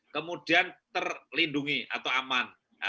kemudian terlindungi atau aman